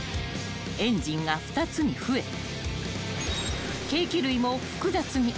［エンジンが２つに増え計器類も複雑に］